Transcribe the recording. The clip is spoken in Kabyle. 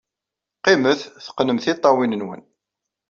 Qqimet, teqqnem tiṭṭawin-nwen.